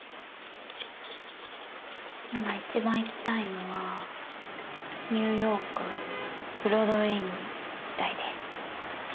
今一番行きたいのはニューヨークブロードウェイに行きたいです。